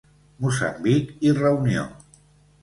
Moçambic i Reunió.